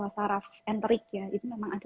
saraf enterik ya itu memang ada